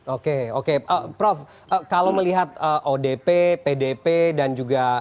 oke oke prof kalau melihat odp pdp dan juga